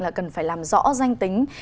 là cần phải làm rõ danh tính